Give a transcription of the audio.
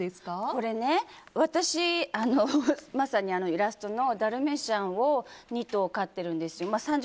これね、私、まさにイラストのダルメシアンを２頭飼っているんですよ。